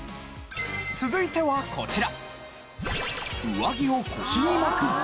続いてはこちら。